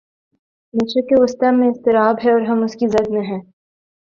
مشرق وسطی میں اضطراب ہے اور ہم اس کی زد میں ہیں۔